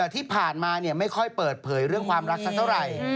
ที่ผ่านมาไม่ค่อยเปิดเผยเรื่องความรักสักเท่าไหร่